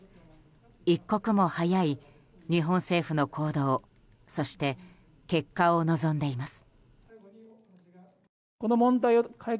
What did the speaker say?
一刻も早い日本政府の行動そして結果を望んでいます。